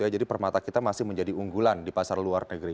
jadi permata kita masih menjadi unggulan di pasar luar negeri